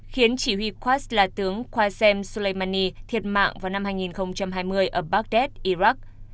khiến chỉ huy quds là tướng qasem soleimani thiệt mạng vào năm hai nghìn hai mươi ở baghdad iraq